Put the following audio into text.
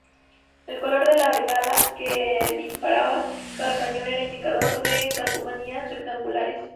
El color de la bengala que disparaba cada cañón era indicado por calcomanías rectangulares.